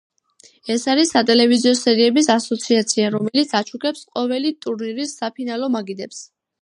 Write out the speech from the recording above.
ეს არის სატელევიზიო სერიების ასოციაცია, რომელიც აშუქებს ყოველი ტურნირის საფინალო მაგიდებს.